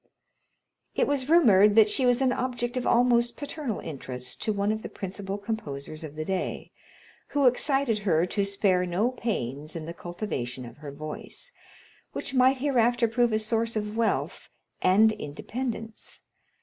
It was rumored that she was an object of almost paternal interest to one of the principal composers of the day, who excited her to spare no pains in the cultivation of her voice, which might hereafter prove a source of wealth and independence.